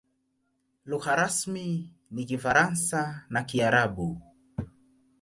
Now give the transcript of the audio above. Lugha rasmi ni Kifaransa na Kiarabu.